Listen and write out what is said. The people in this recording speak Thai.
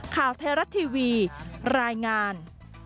ข่าวเทราะห์ทีวีรายงาน